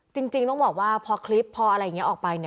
จริงต้องบอกว่าพอคลิปพออะไรอย่างนี้ออกไป